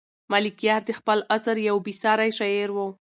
ملکیار د خپل عصر یو بې ساری شاعر و.